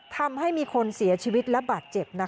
ทำให้มีคนเสียชีวิตและบาดเจ็บ